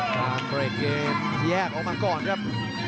ทางเบรกเกมแยกออกมาก่อนครับ